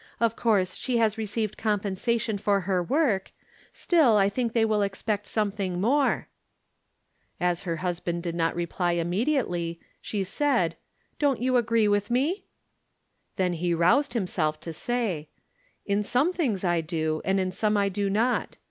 Of course she has received compensation for her work ; still I. think they will expect something more." As her husband did not reply immedi ately, she said, " Don't you agree with me ?" 292 From Different Standpoints. Then he roused himself to say :" In some things I do, and in some I do not.